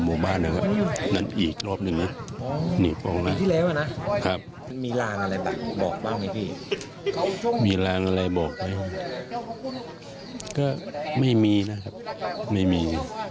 ก็ไม่มีนะครับไม่มี